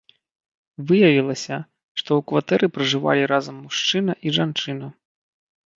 Выявілася, што ў кватэры пражывалі разам мужчына і жанчына.